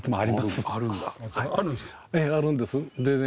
あるんですね。